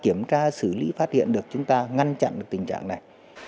kiểm tra xử lý phát hiện được chúng ta ngăn chặn được tình trạng này